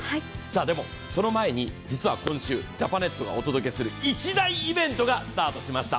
でも、その前に実は今週、ジャパネットがお届けする一大イベントがスタートしました。